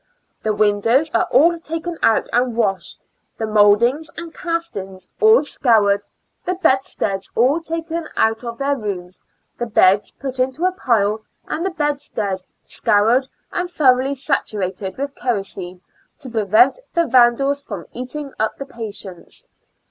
The windows are all taken out and washed, the mouldings and casings all scoured, the bedsteads all taken out of their rooms, the beds put into a pile and the bedsteads scoured and thoroughly satu rated with kerosene, to prevent the vandals from eating up the patients.